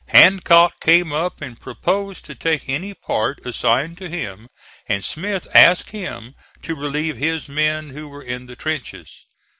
Hancock came up and proposed to take any part assigned to him; and Smith asked him to relieve his men who were in the trenches.